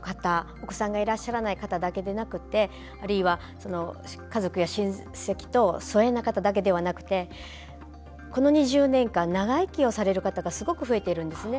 お子さんがいらっしゃらない方だけでなくてあるいは、家族や親戚と疎遠な方だけではなくてこの２０年間長生きをされる方がすごく増えているんですね。